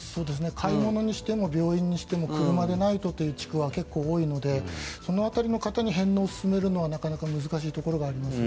買い物にしても病院にしても車でないとという地区は結構多いのでその辺りの方に返納をすすめるのはなかなか難しいところがあります。